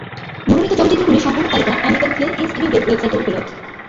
মনোনীত চলচ্চিত্রগুলির সম্পূর্ণ তালিকা আমেরিকান ফিল্ম ইনস্টিটিউটের ওয়েবসাইটে উপলব্ধ।